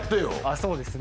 そうですね。